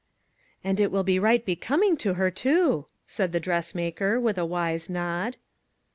"" And it will be right becoming to her, too," said the dressmaker with a wise nod.